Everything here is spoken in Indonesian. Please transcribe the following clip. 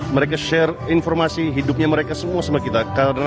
mereka share informasi hidupnya mereka semua sama kita